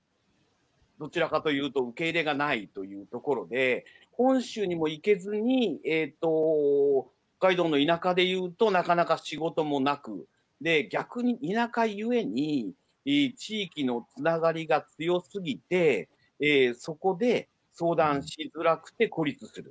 どちらかというと受け入れがないというところで本州にも行けずに北海道の田舎でいうとなかなか仕事もなくで逆に田舎ゆえに地域のつながりが強すぎてそこで相談しづらくて孤立する。